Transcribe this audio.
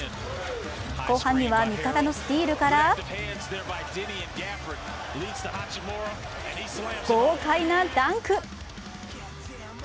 後半には、味方のスティールから豪快なダンク。